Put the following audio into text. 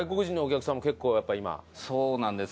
そうなんです。